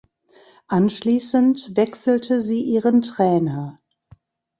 Anschließend wechselte sie ihren Trainer.